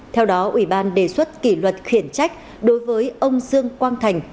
theo đó ubnd đề xuất kỷ luật khuyển trách đối với ông dương quang thành